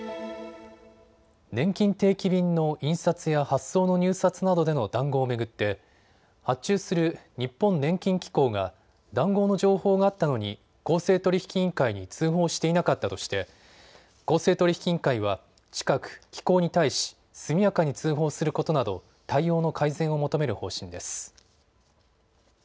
ねんきん定期便の印刷や発送の入札などでの談合を巡って発注する日本年金機構が談合の情報があったのに公正取引委員会に通報していなかったとして公正取引委員会は近く機構に対し速やかに通報することなど対応の改善を求める方針です。